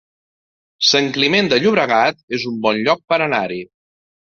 Sant Climent de Llobregat es un bon lloc per anar-hi